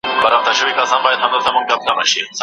ټولنیز واقیعت د خلکو د ګډو کړنو پایله ده.